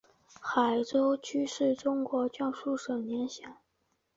海州区是中国江苏省连云港市所辖的一个市辖区。